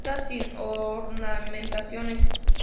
Lisas sin ornamentaciones.